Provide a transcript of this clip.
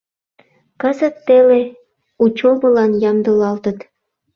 Кызыт теле учёбылан ямдылалтыт.